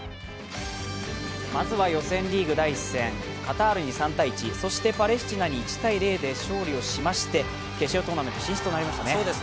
まずは予選リーグ第１戦、カタールに３−１、そしてパレスチナに１−０で勝利をしまして決勝トーナメント進出となりましたね。